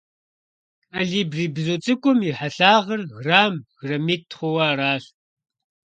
Колибри бзу цIыкIум и хьэлъагъыр грамм-граммитI хъууэ аращ.